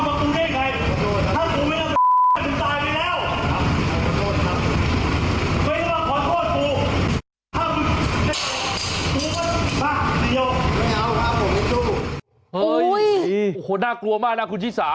โอ้โหน่ากลัวมากนะคุณชิสา